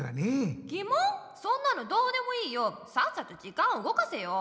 そんなのどうでもいいよさっさと時間をうごかせよ。